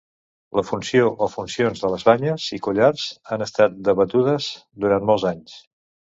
La funció o funcions de les banyes i collars han estat debatudes durant molts anys.